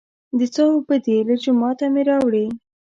د څاه اوبه دي، له جوماته مې راوړې.